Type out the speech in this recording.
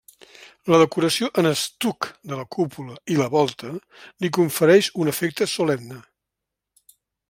La decoració en estuc de la cúpula i la volta li confereix un efecte solemne.